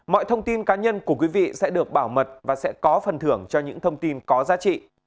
mọi thông tin cá nhân của quý vị sẽ được bảo mật và sẽ có phần thưởng cho những thông tin có giá trị